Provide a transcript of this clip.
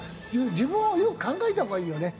自分をよく考えた方がいいよね。